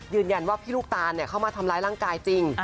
ยืนยันว่าพี่ลูกตาลเข้ามาทำร้ายร่างกายจริง